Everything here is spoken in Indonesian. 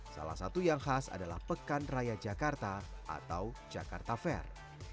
salah satu yang khas adalah pekan raya jakarta atau jakarta fair